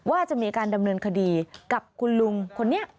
ว่าจะมีการดำเนินคดีกับคุณลุงคนนี้